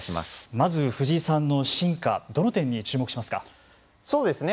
まず、藤井さんの進化どの点に注目しますか。